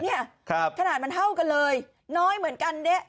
ขนาดมันเท่ากันเลยน้อยเหมือนกันเด๊ะ